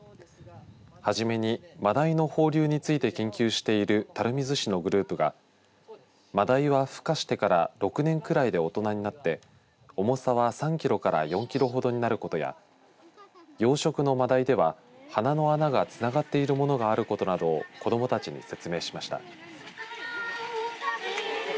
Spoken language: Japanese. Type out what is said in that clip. はじめにマダイの放流について研究している垂水市のグループがマダイはふ化してから６年ぐらいで大人になって重さは３キロから４キロほどになることや養殖のマダイでは鼻の穴がつながっているものがあることなどを子どもたちに説明しました。